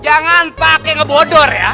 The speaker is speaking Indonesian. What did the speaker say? jangan pakai ngebodor ya